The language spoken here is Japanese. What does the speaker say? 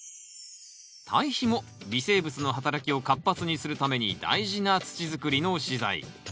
堆肥も微生物の働きを活発にするために大事な土づくりの資材。